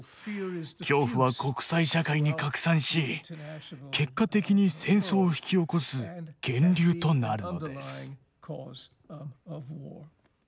恐怖は国際社会に拡散し結果的に戦争を引き起こす源流となるのです。